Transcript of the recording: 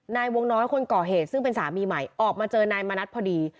นายวงน้อยคนก่อเหตุซึ่งเป็นสามีใหม่ออกมาเจอนายมณัฐพอดี